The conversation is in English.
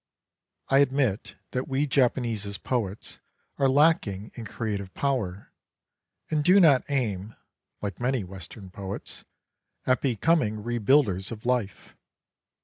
I admit that we Japanese as poets are lacking in creative power, and do not aim, like many Western poets, at becom" ing rebuilders of life.